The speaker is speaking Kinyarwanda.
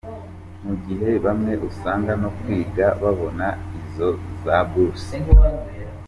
Mu gihe bamwe usanga no kwiga babona izo za bourses???